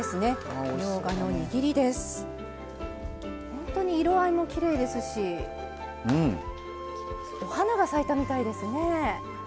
ほんとに色合いもきれいですしお花が咲いたみたいですね。